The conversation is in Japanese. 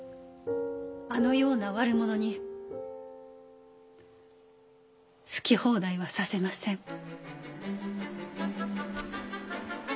あのような悪者に好き放題はさせません。